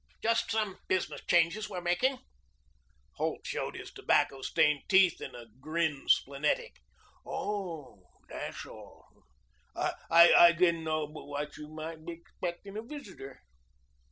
"Just some business changes we're making." Holt showed his tobacco stained teeth in a grin splenetic. "Oh. That's all. I didn't know but what you might be expecting a visitor."